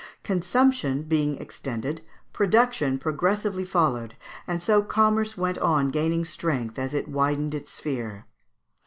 Consumption being extended, production progressively followed, and so commerce went on gaining strength as it widened its sphere.